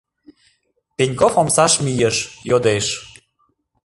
Пеньков омсаш мийыш, йодеш: